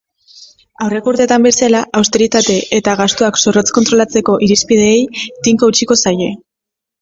Aurreko urteetan bezala, austeritate eta gastuak zorrotz kontrolatzeko irizpideei tinko eutsiko zaie.